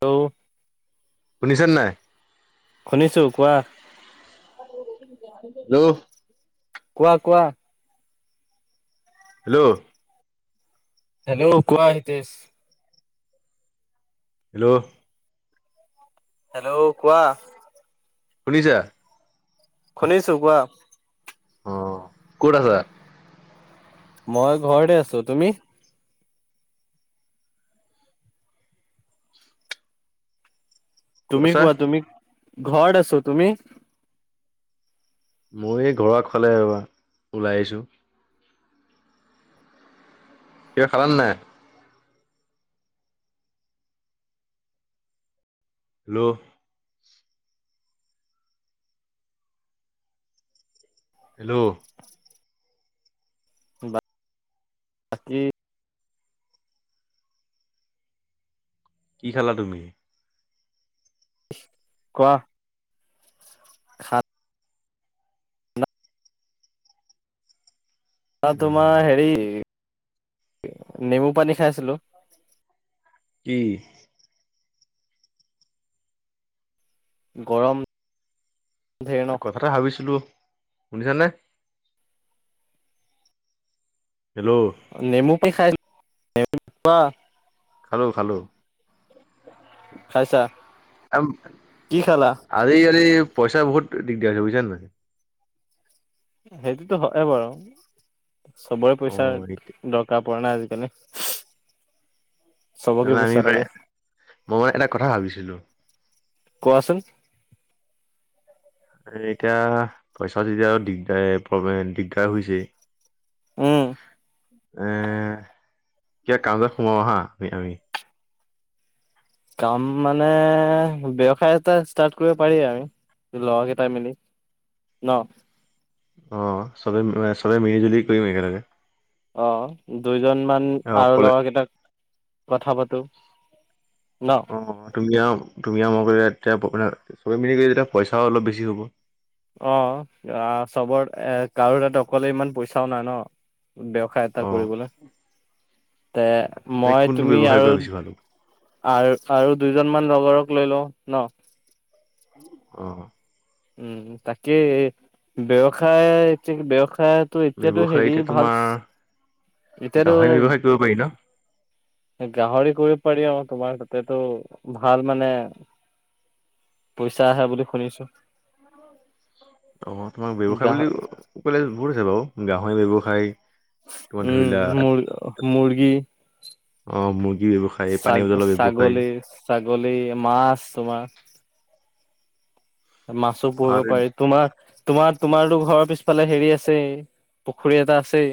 Hello শুনিছে নাই। শুনিছোঁ কোৱা। হেল্ল' কোৱা কোৱা। হেল্ল' হেল্ল' কোৱা হিতেশ হেল্ল' হেল্ল' কোৱা শুনিছা শুনিছো কোৱা অ কত আছা মই ঘৰতে আছো তুমি ক'ত তুমি আছা? কোৱা তুমি ঘৰ আছো তুমি মই ঘৰৰ ফালে ওলাই আহিছোঁ কিবা খালানে নাই হেল্ল' হেল্ল' বা বাকী কি খালা তুমি কোৱা ভাত অ তোমাৰ হেৰি নেমু পানী খাই আছিলো কি গৰম ধেৰ ন কথা এটা ভাবিছিলো শুনিছানে হেল্ল' এ খাই দিলো নেমু চেপা খালোঁ খালোঁ খাইছা আৰু কি খালা আজি কালি পইচা বহুত দিগদাৰ হৈছে বুজিছা নাই সেইটোতো হয় বাৰু চবৰে অঁ পইচাৰ সেইটোৱে দৰকাৰ পৰা নাই আজিকালি হোহু তাপা আমি মই এটা কথা ভাবিছিলো কোৱাচোন এ এতিয়া পইচা যেতিয়া আৰু দিগদাৰ প্ৰব্লেম দিগদাৰ হৈছে উম এ কিবা কাম জামত সোমাও আহা আমি কাম মানে ব্যয়সায় এটা ষ্টাৰ্ট কৰিব পাৰি আৰু লগৰ কেইটাই মেলি ন অ চবে চবে মিলি জুলি কৰিম একেলগে অ দুইজন মান অ আৰু অকলে লৰা কেইটাক কথা পাতো ন অ তুমি আও তুমি আও মই তেতিয়া প্ৰব্লেম নাই চব মিলি তেতিয়া পইচাও অলপ বেছি হ'ব [unintelligible] অ চবৰ এ কাৰো তাত অকলে ইমান পইচাও নাই ন ব্যৱসায় এটা অ কৰিবলে তে এতিয়া মই কোনটো তুমি ব্যৱসায় আৰু কৰা বেছি ভাল হ'ব আৰু আৰু দুইজন মান লগৰক লৈ লওঁ ন অহ উম তাকে ব্যৱসায় ব্যৱসায় ব্যৱসায়টো এতিয়াতো ব্যৱসায় হেৰি এতিয়া ভাল তোমাৰ এতিয়াতো গাহৰি ব্যৱসায় কৰিব পাৰি ন গাহৰি কৰিব পাৰি আৰু তোমাৰ ততেটো ভাল মানে পইচা আছে বুলি শুনিছো অ তোমাক ব্যৱসায় বুলি গ্ৰাহক কলে বহুত আছে বাৰু গাহৰি ব্যৱসায় তোমাৰ উম ধৰিলা মুৰ মুৰ্গী অ মোৰ ছাগ ছাগলী ছাগলী মাছ তোমাৰ মাছো পুহিব আৰু পাৰি তোমাৰ তোমাৰ তোমাৰতো ঘৰৰ পিছফালে হেৰি আছে পুখুৰী এটা আছেই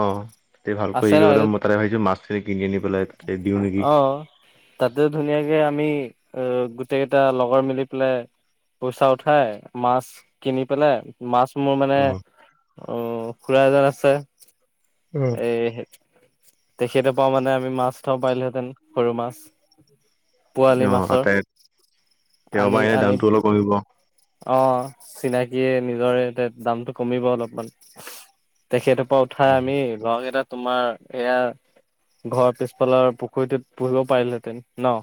অহ তাতে ভালকৈ আছে হেৰি ন কৰিলে সেইটোত মই তাতে ভাবিছো মাছখিনি কিনি আনি পেলাই তাতে দিওঁ নেকি অ তাতে ধুনীয়াকে আমি অ গোটেই কেইটা লগৰ মিলি পেলে পইচা উঠাই মাছ কিনি পেলাই মাছ। মোৰ মানে অ অ খুড়াৰা এজন আছে অ এই তেখেতে পাওঁ মানে আমি মাছ থব পাৰিলোহেঁতেন সৰু মাছ পোৱালি অ মাছৰ তাতে তেওঁৰ পৰা আনি এনে আনি দামটো অলপ কমিব অ চিনাকিয় নিজৰে দামটো কমিব অলপমান তেখে পৰা উঠাই অ আমি লৰা কেইটা তোমাৰ এয়া ঘৰৰ পিছফালৰ পুখুৰীটোত পুহিব পাৰিলেহেঁতেন ন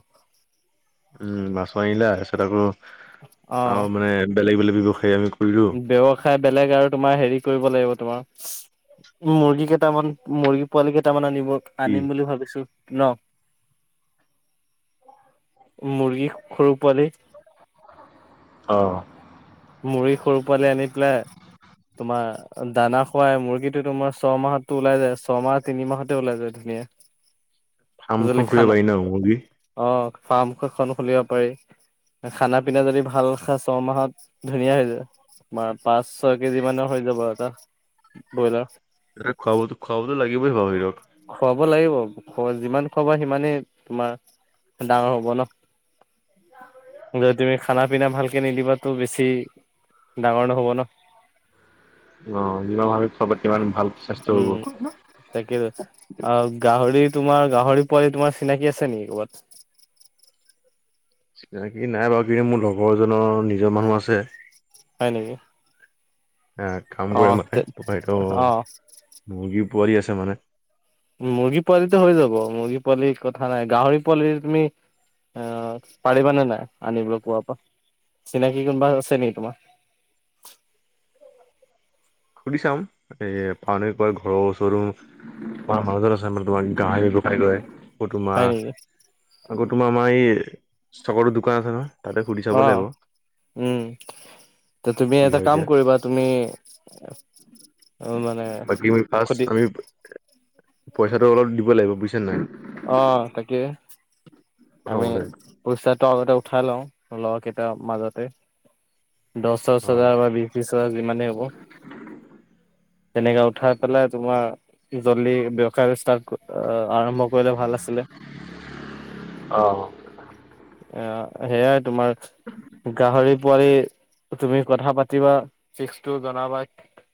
উম মাছ মাৰিলেতাৰ পিছত আকৌ অ আৰু মানে বেলেগ বেলেগ ব্যৱসায় আমি কৰিলো ব্যৱসায় বেলেগ আৰু তোমাৰ হেৰি কৰিব লাগিব তোমাৰ মুৰ্গী কেইটামান মুৰ্গী পোৱালি কেইটামান আনিব কি আনিম বুলি ভাবিছো ন মুৰ্গী সৰু পোৱালি অহ‌ মুৰ্গী সৰু পোৱালি আনি পেলাই তোমাৰ দানা খোৱাই মুৰ্গীটো তোমাৰ ছমাহতো ওলাই যায় ছয়মাহ তিনিমাহতে ওলাই যায় ধুনীয়া যদি ফাৰ্মখন খুলিব খানা পাৰি ন মুৰ্গী অ ফাৰ্ম এখন খুলিব পাৰি খানা পিনা যদি ভাল খা ছয়মাহত ধুনীয়া হৈ যায় তোমাৰ পাঁচ ছয় কেজি মানৰ হৈ যাব এটা ব্ৰইলাৰ এ খোৱা বস্তু খোৱাবতো লাগিবই আৰু সিহঁতৰ খোৱাব লাগিব যিমান খাবা সিমানেই তোমাৰ ডাঙৰ হ'ব ন যদি তুমি খানা পিনা ভালকে নিদিবাতটো বেছি সি ডাঙৰ নহ'ব ন অ যিমান ভাবি খোৱা সিমান ভাল স্বাস্থ্য হব। উম তাকে আ গাহৰি তোমাৰ গাহৰি পোৱালি তোমাৰ চিনাকি আছে নেকি কবাত চিনাকি নাই বাৰু কিন্তু মোৰ লগৰ এজনৰ নিজৰ মানুহ আছে হয় নেকি? এ কাম কৰে অ', মানে বেপাৰীতো অ', মুৰ্গী পোৱালি আছে মানে। মুৰ্গী পোৱালিতে হৈ যাব মুৰ্গী পোৱালিৰ কথা নাই গাহৰি পোৱালি তুমি আহ পাৰিবানে নাই আনিবলৈ কোৱাৰ পৰা চিনাকি কোনোবা আছে নেকি তোমাৰ [inaudible] সুধি চাম এ পা কাৰ ঘৰৰ ওচৰতো তোমাৰ মাজাজত আছে মে তোমাৰ গাহৰি ফোট মাৰ তোমাৰ হয় নেকি? আকৌ তোমাৰ আমাৰ এই ষ্টকো দোকান আছে ন। অঁ উম তুমি কি এটা হয় এতিয়া। কাম কৰিবা তুমি উ মানে বাকী সুধি পইচাঁটো অলপ দিব লাগিব নাই অঁ তাকে আমি প্ৰথমতে। পইচাঁ। ত আগতে উঠাই লওঁ লগ কেইটাৰ মাজতে দহছ অ'। হাজাৰ বা বিশ বিশ হাজাৰ যিমানেই হ'ব তেনেক উঠাই পেলাই তোমাৰ জলি ব্যৱসায়। আহ আৰম্ভ কৰিলে ভাল আছিলে। অঁ সেইয়াই তোমাৰ গাহৰি পোৱালি তুমি কথা পাতিবা, ফিক্সটো জনাবা,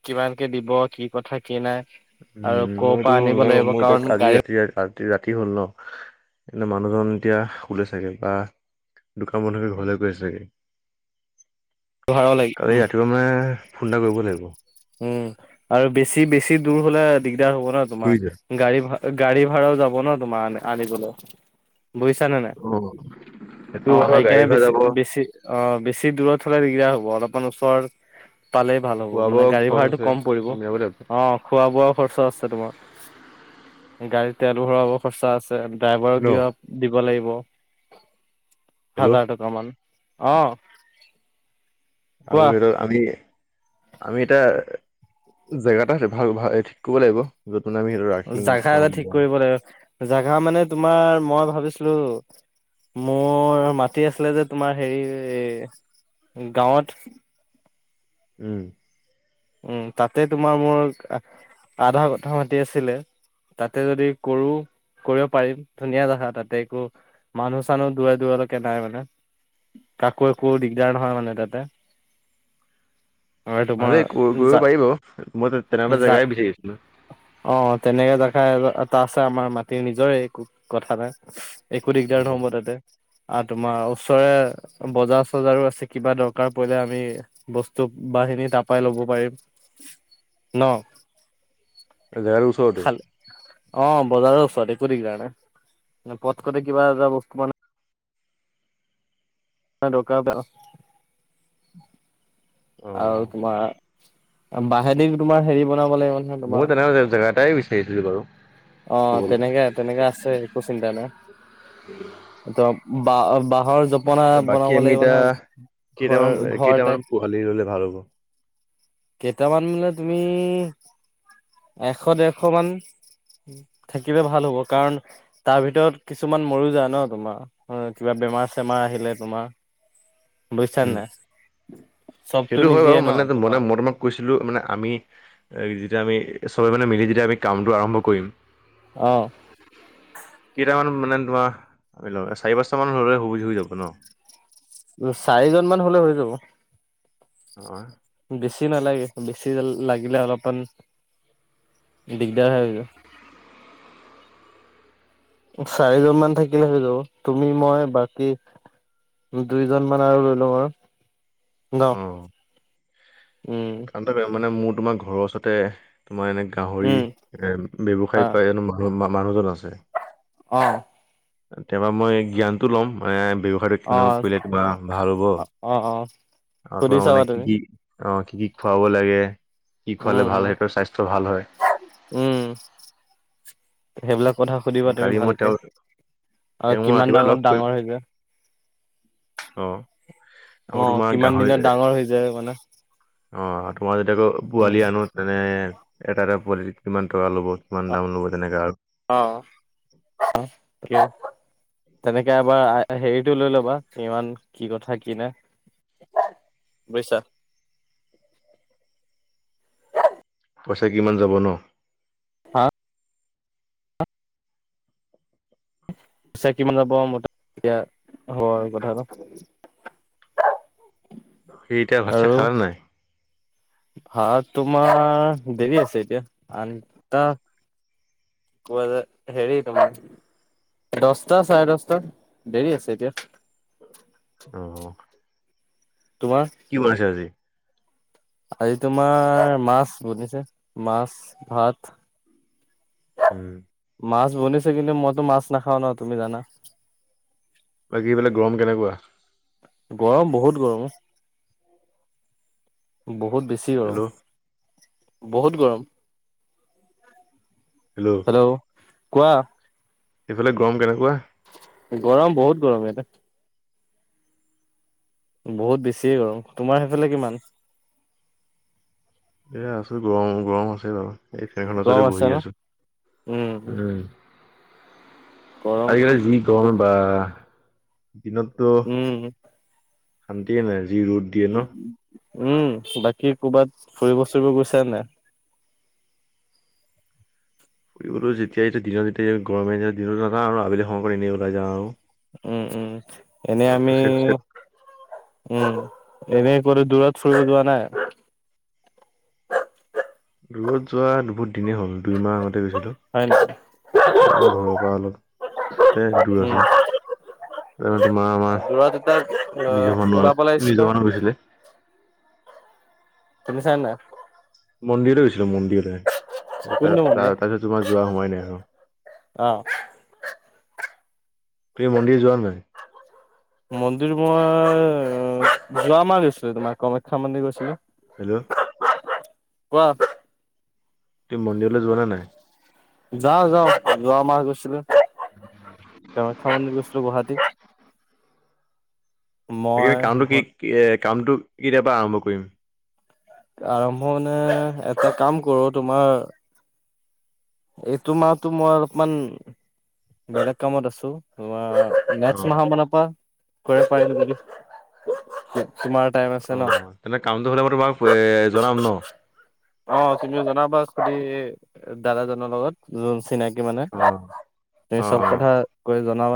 কিমান কে দিব কি কথা কি নাই। আৰু উম ক'ৰ মই এইটো পৰা আনিব মিলাই লাগিব মই কাৰণ এতিয়া গাড়ী আজি ৰাতি, ৰাতি হ'ল ন। এনে মানুহজন এতিয়া শুলে চাগে বা, দোক বন্ধ কৰি ঘৰলৈ গৈ আছে চাগে। ভাড়াও লাগিব কালি ৰাতিপুৱা মানে ফোন এটা কৰিব লাগিব। উম আৰু বেছি বেছি দূৰ হলে দিগদাৰ হ'ব ন তোমাৰ, বুজিছা। গাড়ী ভ গাড়ী ভাড়াও যাব ন তোমাৰ আনিবলৈ। বুজিছানে নে নাই? অ', সেইটো অঁ হয় গাড়ী সেইকাৰণে ভাড়া বেছি যাব বেছি অঁ বেছি দূৰত হলে দিগদাৰ হ'ব অলপ। ওচৰ পালে - খোৱা মানে বোৱা গাড়ী খৰচ ভাড়াটো আছে কম পৰিব, চব মিলাব লাগিব। অঁ খোৱা বোৱা খৰচা আছে তোমাৰ। গৰিদট ন [unintelligible] [unintelligible] লাগিব হেল্ল' হাজাৰ টকা মান অঁ। আব [unintelligible] আমি আমি এতিয়া জেগা এটা ভাল ভাল ঠিক কৰিব লাগিব। মানে আমি সেইটো ৰাখিম জাগা খুৱাম এটা ঠিক বোৱাম কৰিব লাগে, জাগা মানে তোমাৰ মই ভাবিছিলো, মোৰ মাতি আছিলে যে তোমাৰ হেৰি গাঁৱত। উম। উম তাতে তোমাৰ মোৰ আধা পথা মাতি আছিলে। তাতে যদি কৰো, কৰিব পাৰিম, ধুনীয়া জেগা তাতে একো মানুহ চানুহ দূৰ দূৰলৈকে নাই মানে। কাকো একো দিগদাৰ নহয় মানে তাতে। [unintelligible] হয় তোমাৰ ভালেই ক অ কৰিব পাৰি বাৰু মই তেনেকুৱা জেগাই বিচাৰি আছিলোঁ। [unintelligible] তেনেকে দে আৰু। এটা আছে আমাৰ মাটিৰ নিজৰে একো কথা নাই, একো দিগদাৰ নহব তাতে। আৰু তোমাৰ ওচৰে বজাৰ চজাৰো আছে। কিবা দৰকাৰ পৰিলে আমি বস্তু, বাহিনি তাৰ পৰাই ল'ব পাৰিম ন। থ'ড [unintelligible] অঁ বজাৰৰ ওচৰত একো ডিগদাৰ নাই। পথ কট কিবা এটা বস্তু মানে কা [unintelligible] আৰু তোমাৰ, অ', বাহেদি তোমাৰ হেৰি বনাব লাগিব, নহয় তোমাৰ মই তেনে জেগাটাই বিচাৰিছিলো বাৰু। অঁ ক'বলৈ। তেনেকে তেনেকা আছে, একো চিন্তা নাই। ত বাঁ বাঁহৰ জপনা বাকী বনাব আমি লাগিব এতিয়া নহয়, ঘৰ কেইটামান ঘৰ কেইটামান টাইপ। পোৱালি ল'লে ভাল হ'ব। কেইটামান মানে তুমি এশ দেৰশ মান, থাকিলে ভাল হ'ব। কাৰণ তাৰ ভিতৰত কিছুমান মৰি যায় ন তোমাৰ কিবা, বেমাৰ চেমাৰ আহিলে তোমাৰ। [unintelligible] বুজিছা নে উম, নাই? চবতো সেইটো হয় বাৰু, নিদিয়ে ন মানে মান তোমাৰ মই তোমাক কৈছিলো মানে আমি এ যেতিয়া আমি, চবে মানে মিলি যেতিয়া আমি কামটো আৰম্ভ কৰিম, অহ। কেইটামান মানে তোমাৰ চাৰি পাঁচটা মান হলে সুবিধ হৈ যাব ন? উ চাৰিজন মান হলে হৈ যাব। অ। বেছি নালাগে, বেছি লাগিলে অলপমান দিগদাৰ হয়। চাৰিজন মান থাকিলে হৈ যাব। তুমি মই বাকী, দুইজন মান আৰু লৈ লম আৰু। ন। অ উম ক মানে মোৰ তোমাৰ ঘৰৰ ওচৰতে, তোমাৰ এনে গাহৰি উম এ অ ব্যৱসায় কৰা এ মান মানুহজন আছে। অ। কেতিয়াবা মই জ্ঞানতটো ল'ম মানে। ব্যৱসায়টো অ কেনে কৰিলে তোমাৰ ভাল হ'ব, অ অ আৰু সুধি তোমাৰ মানে চাবা কি তুমি কি? অ, কি কি খুৱাব লাগে। কি উম খোৱালে ভাল উম সেইটোবে স্বাস্থ্য ভাল হয়? উম সেইবিলাক কথা সুধিবা তুমি কালি মই ভালকে তেওঁ আৰু তেওঁক মই কিমান ৰাতিপুৱা ডাঙৰ লগ কৰিম। ডাঙৰ হৈ যায় অ। আকৌ অ, তোমাৰ কিমান গাহৰি দিনত ডাঙৰ হৈ যায় মানে? অ, তোমাৰ যেতিয়া আকৌ উম পোৱালি আনো তেনে এটা-এটা পোৱালিত কিমান টকা ল'ব কিমান দাম ল'ব তেনেকা আৰু। অ,। তেনেকে এবাৰ হেৰিতটো লৈ ল'বা ইমান কি কথা কি নাই। বুজিছা? পইচা কিমান যাব ন? হা পইছা কিমান যাব এতিয়া হব কথাটো। সেইতিয়া ভাত- চাত আৰু খালা নাই? ভাত তোমাৰ দেৰি আছে এতিয়া। আঠ হেৰী তোমাৰ দহটা চাৰে দহটাত দেৰি আছে এতিয়া। অ তোমাৰ কি বনাইছে আজি? আজি তোমাৰ মাছ বনিছে, মাছ ভাত। উম। মাছ বনিছে কিন্তু মইতো মাছ নাখাওঁ ন তুমি জানা। বাকী সেইফালে গৰম কেনেকুৱা? গৰম বহুত, গৰম বহুত। বহুত বেছি গৰম হেল্ল' বহুত গৰম। হেল্ল', কোৱা? এইফালে গৰম কেনেকে গৰম বহুত গৰম ইয়াতে। বহুত বেছিয়ে গৰম। তোমাৰ সেইফালে কিমান? এ' আছো গৰম গৰম আছেই বাৰু। এই ফেনখন গৰম ওচৰতে আছে বহি ন আছো, উম। গৰমটো আজিকালি যি গৰম বা। দিনততো উম শান্তিয়ে নাই যি ৰ'দ দিয়ে ন। উম, বাকী ক'বাত ফুৰিব ফুৰিব গৈছ নে নাই? ফুৰিবটো যেতিয়াই দিনত যেতিয়া যাবি গৰমে দিনত নাজাওঁ আৰু আবেলি সময় কন এনেই ওলাই যাওঁ আৰু উম, উম এনে আমি, খোজকাঢ়ি খোজকাঢ়ি উম এনে দূৰত ফুৰিব যোৱা নাই দূৰত যোৱা বহুত দিনেই হ'ল। দুই মাহ আগতে গৈছিলো হয় নাই? আমাৰ ঘৰৰ পৰা অলপ সে দূৰ উম, আছে। এ মানে তোমাৰ, আমাৰ দূৰত এটা অ', নিজৰ মানুহ আৰু ওলাব লাগিছিল নিজৰ নহয় খনত গৈছিলে। তুমি চা না মন্দিৰতে গৈছিলো, মন্দিৰতে তাৰ কোনটো মন্দিৰ? তাৰপিছত তোমাৰ যোৱা হোৱাই নাই আৰু। অ। তুমি মন্দিৰ যোৱা নাই? মন্দিৰ মই উম যোৱা মাহ গৈছিলো। তোমাৰ কামাখ্যা মন্দিৰ গৈছিলো। হেল্ল। কোৱা? তুমি মন্দিৰলে যোৱা নে নাই যাওঁ যাওঁ যোৱা মাহ গৈছিলো কামাখ্যা মন্দিৰ গৈছি গুৱাহাটী বাকী মই কামটো কি ভন এ কামটো কেতিয়া পা আৰম্ভ কৰিম আৰম্ভ মানে এটা কাম কৰোঁ তোমাৰ এইটো মাহতো মই অলপমান বেলেগ কামত আছোঁ তোমাৰ নেক্সট অ'। মাহ মান পা কৰিব পাৰিম নিকি অ তেনে কামটো হ'লে মই তোমাক এ জনাম ন অ তুমি জনাবা সুধি দাদাজনৰ লগত যোন চিনা কি মানে অ'। তুমি অ', চব অ'। কথা কৈ জনাবা